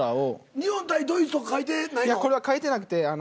日本対ドイツとか書いてないの？